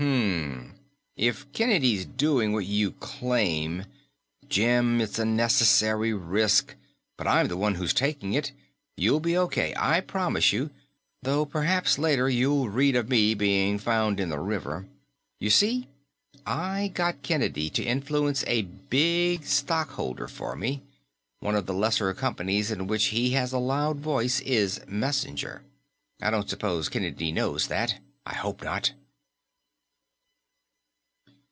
"Hmmm if Kennedy's doing what you claim " "Jim, it's a necessary risk, but I'm the one who's taking it. You'll be okay, I promise you; though perhaps later you'll read of me being found in the river. You see, I got Kennedy to influence a big stockowner for me. One of the lesser companies in which he has a loud voice is Messenger. I don't suppose Kennedy knows that. I hope not!"